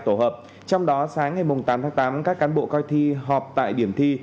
tổ hợp trong đó sáng ngày tám tháng tám các cán bộ coi thi họp tại điểm thi